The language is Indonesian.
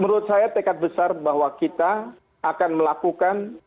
menurut saya tekad besar bahwa kita akan melakukan